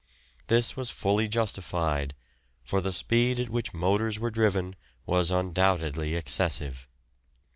This was fully justified, for the speed at which motors were driven was undoubtedly excessive.